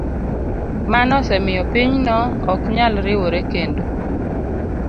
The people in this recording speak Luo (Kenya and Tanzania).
Mano osemiyo pinyno ok nyal riwore kendo.